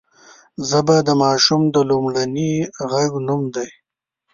ژبه د ماشوم د لومړني غږ نوم دی